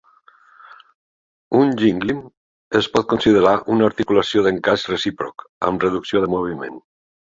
Un gínglim es pot considerar una articulació d'encaix recíproc, amb reducció de moviment.